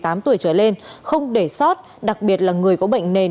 tiêm mũi hai cho người từ một mươi tám tuổi trở lên không để sót đặc biệt là người có bệnh nền